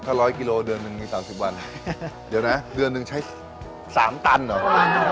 ถ้า๑๐๐กิโลเดือนหนึ่งมี๓๐วันเดี๋ยวนะเดือนหนึ่งใช้๓ตันเหรอ